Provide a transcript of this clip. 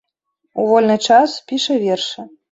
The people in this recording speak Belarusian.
У вольны час піша вершы.